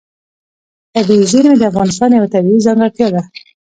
طبیعي زیرمې د افغانستان یوه طبیعي ځانګړتیا ده.